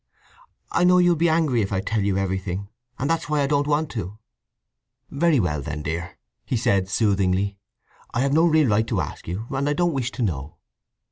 "I know you'll be angry if I tell you everything, and that's why I don't want to!" "Very well, then, dear," he said soothingly. "I have no real right to ask you, and I don't wish to know."